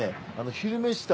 「昼めし旅」